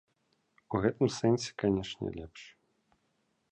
У гэтым сэнсе, канечне, лепш.